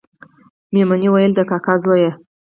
میمونې ویل د کاکا زویه